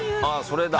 それだ！